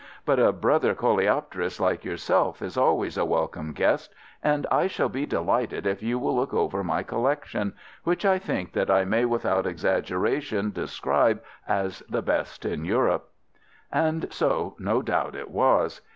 But a brother coleopterist like yourself is always a welcome guest, and I shall be delighted if you will look over my collection, which I think that I may without exaggeration describe as the best in Europe." And so no doubt it was.